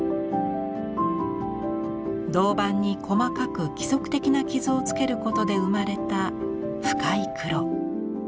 銅版に細かく規則的な傷を付けることで生まれた深い黒。